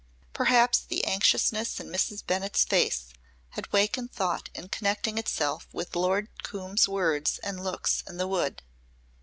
Perhaps the anxiousness in Mrs. Bennett's face had wakened thought in connecting itself with Lord Coombe's words and looks in the wood.